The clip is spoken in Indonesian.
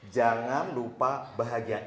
jangan lupa bahagia